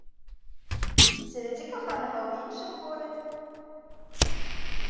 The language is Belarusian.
Завядзі каханага ў іншым горадзе!